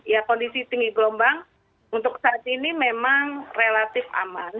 ya kondisi tinggi gelombang untuk saat ini memang relatif aman